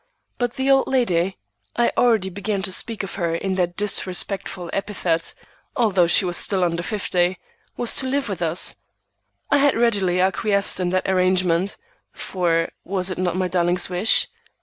But the old lady—I already began to speak of her by that disrespectful epithet, although she was still under fifty—was to live with us. I had readily acquiesced in that arrangement, for was it not my darling's wish?